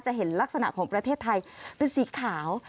เห็นลักษณะของประเทศไทยเป็นสีขาว